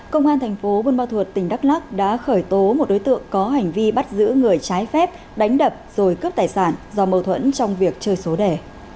công an thành phố buôn ma thuột tỉnh đắk lắc đã khởi tố một đối tượng có hành vi bắt giữ người trái phép đánh đập rồi cướp tài sản do mâu thuẫn trong việc chơi số đẻ